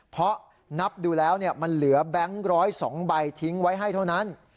เพราะนับดูแล้วมันเหลือแบงค์๑๐๒ใบทิ้งไว้ให้เท่านั้น